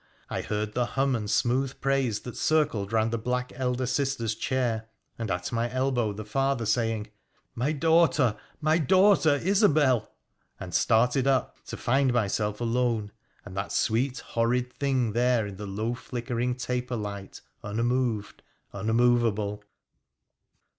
I heard the hum and smooth praise that circled round the black elder sister's chair, and at my elbow the father, saying, ' My daughter ; my daughter Isobel !' and started up, to find myself alone, and that sweet horrid thing there in the low flickering taper light unmoved, unmovable.